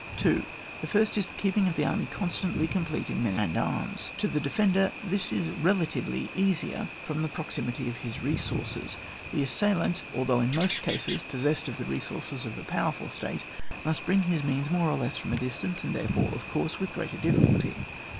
2. The first is the keeping the army constantly complete in men and arms. To the defender, this is relatively easier, from the proximity of his resources. The assailant, although in most cases pos sessed of the resources of a powerful state, must bring his means more or less from a distance, and therefore, of course, with greater difficulty.